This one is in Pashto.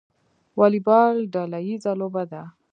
والیبال ډله ییزه لوبه ده